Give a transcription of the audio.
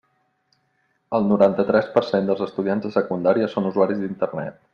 El noranta-tres per cent dels estudiants de secundària són usuaris d'Internet.